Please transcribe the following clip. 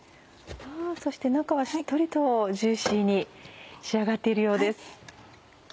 そして中はしっとりとジューシーに仕上がっているようです。